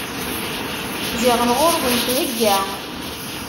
Ziɣen ɣur-wen thegga.